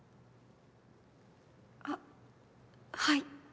あっはい。